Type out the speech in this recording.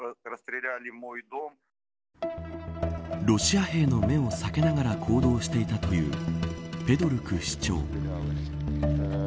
ロシア兵の目を避けながら行動していたという